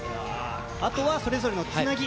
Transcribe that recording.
あとは、それぞれのつなぎ。